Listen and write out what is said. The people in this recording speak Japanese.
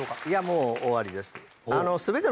いやもう大ありです。